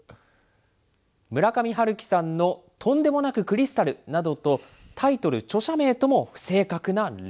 村上春樹さんのとんでもなくクリスタルなどと、タイトル、著者名とも不正確な例。